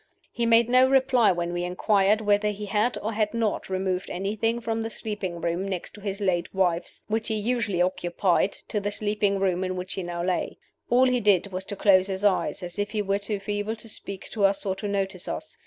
He made no reply when we inquired whether he had or had not removed anything from the sleeping room next to his late wife's, which he usually occupied, to the sleeping room in which he now lay. All he did was to close his eyes, as if he were too feeble to speak to us or to notice us.